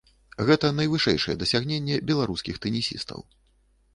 Гэта найвышэйшае дасягненне беларускіх тэнісістаў.